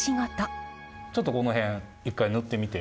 ちょっとこの辺一回塗ってみて。